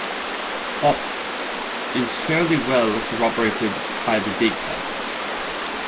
Opp is fairly well corroborated by the data.